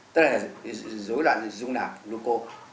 tức là dối loạn dung nạc gluco